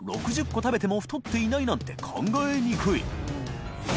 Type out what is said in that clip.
食べても太っていないなんて考えにくい磴